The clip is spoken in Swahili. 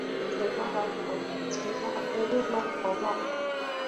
Zima taa.